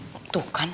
pak rete tuh kan